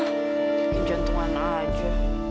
mungkin jantungan aja